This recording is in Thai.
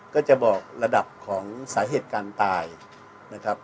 ก็จะบอกระดับของสาเหตุการณ์ตายนะครับ